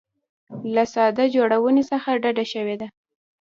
له ساده جوړونې څخه ډډه شوې ده.